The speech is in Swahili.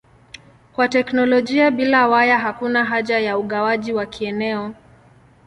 Kwa teknolojia bila waya hakuna haja ya ugawaji wa kieneo.